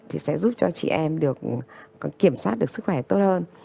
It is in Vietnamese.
thì sẽ giúp cho chị em được kiểm soát được sức khỏe tốt hơn